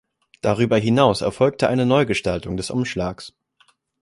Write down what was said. Darüber hinaus erfolgte eine Neugestaltung des Umschlags.